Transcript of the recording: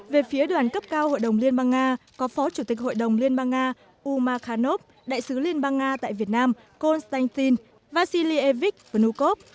về phía đoàn cấp cao hội đồng liên bang nga có phó chủ tịch hội đồng liên bang nga uma khanov đại sứ liên bang nga tại việt nam konstantin vasiliek vukov